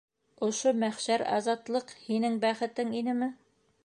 Ошо мәхшәр азатлыҡ һинең бәхетең инеме?